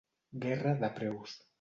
Guerra de preus.